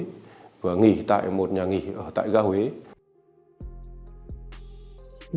trong tìm kiếm lý do chế độc tập trong tìm kiếm lý do chế độc tập